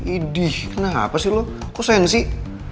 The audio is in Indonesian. iduh kenapa sih lo kok sayang sih